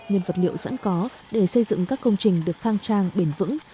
và những vật liệu sẵn có để xây dựng các công trình được khang trang bền vững